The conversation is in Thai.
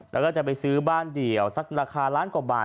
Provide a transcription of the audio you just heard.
แล้วก็จะไปซื้อบ้านเดี่ยวสักราคาล้านกว่าบาท